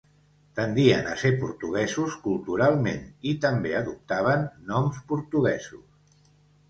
Tendien a ser portuguesos culturalment i també adoptaven noms portuguesos.